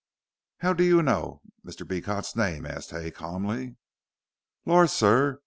"How do you know Mr. Beecot's name?" asked Hay, calmly. "Lor', sir.